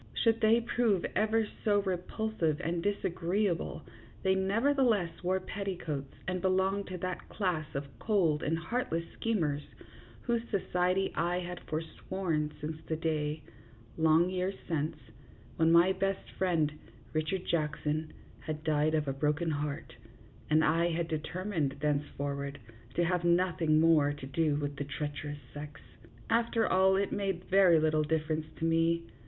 Should they prove ever so repulsive and disagreeable, they nevertheless wore petticoats and belonged to that class of cold and heartless schemers whose society I had for sworn since the day, long years since, when my best friend, Richard Jackson, had died of a broken heart, and I had determined thenceforward to have noth ing more to do with the treacherous sex. After all, it made very little difference to me.